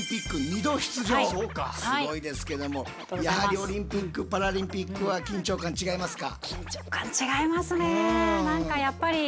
すごいですけどもやはりオリンピック・パラリンピックは緊張感違いますか？